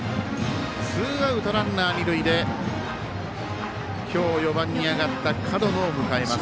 ツーアウト、ランナー、二塁で今日４番に上がった門野を迎えます。